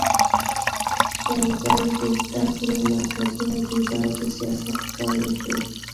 ښوونځي د زده کړو مرکزونه دي، باید د سیاست ښکار نه شي.